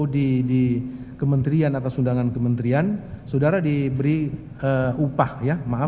di kementerian atas undangan kementerian saudara diberi upah ya maaf